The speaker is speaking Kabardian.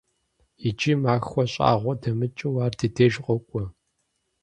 Иджы махуэ щӀагъуэ дэмыкӀыу ар ди деж къокӀуэ.